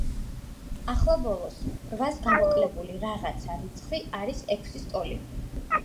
ახლა ბოლოს, რვას გამოკლებული „რაღაცა“ რიცხვი არის ექვსის ტოლი.